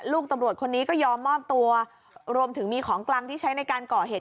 ตำรวจคนนี้ก็ยอมมอบตัวรวมถึงมีของกลางที่ใช้ในการก่อเหตุ